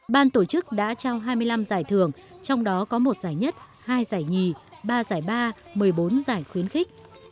ban tổ chức đã trao hai mươi năm giải thưởng trong đó có một giải nhất hai giải nhì ba giải ba một mươi bốn giải khuyến khích